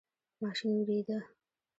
ماشین ویریده.